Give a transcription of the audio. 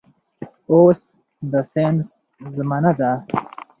اوس د ساينس زمانه ده